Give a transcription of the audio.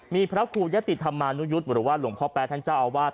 มีพระครูยะติธรรมานุยุทธ์หรือว่าหลวงพ่อแป๊ท่านเจ้าอาวาส